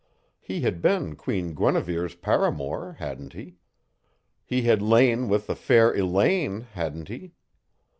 He had been Queen Guinevere's paramour, hadn't he? He had lain with the fair Elaine, hadn't he?